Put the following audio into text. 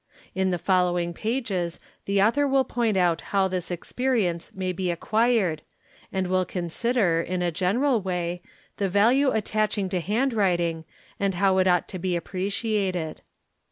In the following pages the author will point out how this experience may be acquired and will consider, in a general way, the — value attaching to handwriting and how it ought to be appreciated.